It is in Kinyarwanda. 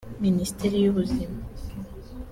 Minisiteri y’Ubuzima